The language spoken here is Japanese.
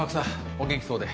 お元気そうで。